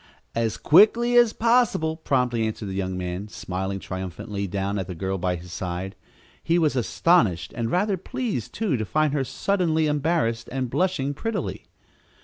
"As quickly as possible," promptly answered the young man, smiling triumphantly down at the girl by his side. He was astonished, and rather pleased, too, to find her suddenly embarrassed and blushing prettily.